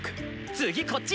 次こっち！